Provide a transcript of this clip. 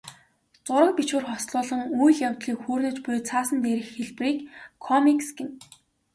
Зураг, бичвэр хослуулан үйл явдлыг хүүрнэж буй цаасан дээрх хэлбэрийг комикс гэнэ.